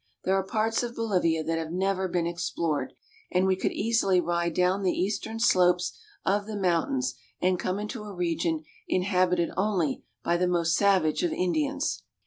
There are parts of Bolivia that have never been explored, and we could easily ride down the eastern slopes of the mountains and come into a region inhabited only by the most savage of Indians.